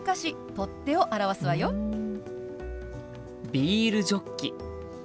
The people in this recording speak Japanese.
ビールジョッキ。